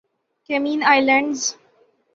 Cayman islands